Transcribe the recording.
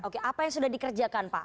oke apa yang sudah dikerjakan pak